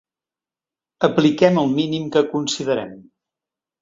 Apliquem el mínim que considerem.